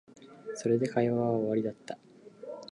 それで会話は終わりだった